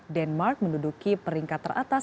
denmark menduduki peringkat teratas